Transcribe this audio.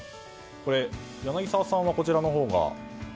柳澤さんはこちらのほうが。